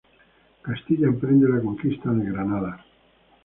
Castilla emprende la conquista de Granada.